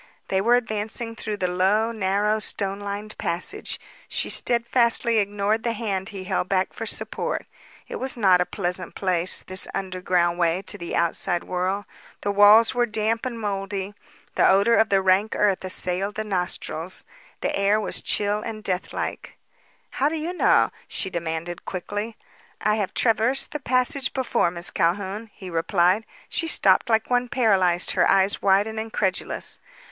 They were advancing through the low, narrow stone lined passage. She steadfastly ignored the hand he held back for support. It was not a pleasant place, this underground way to the outside world. The walls were damp and mouldy; the odor of the rank earth assailed the nostrils; the air was chill and deathlike. "How do you know?" she demanded quickly. "I have traversed the passage before. Miss Calhoun," he replied. She stopped like one paralyzed, her eyes wide and incredulous.